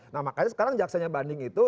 nah makanya sekarang jaksanya banding itu